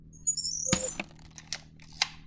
আমার বাবা তোমাকে খুন করে ফেলবে!